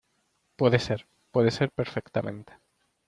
puede ser. puede ser perfectamente